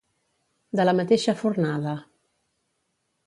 De la mateixa fornada.